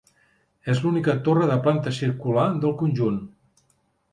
És l'única torre de planta circular del conjunt.